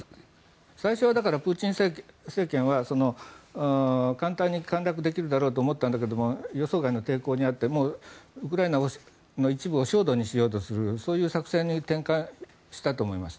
最初はプーチン政権は簡単に陥落できるだろうと思ったんだけど予想外の傾向にあってウクライナの一部を焦土にしようとするそういう作戦に転換したと思います。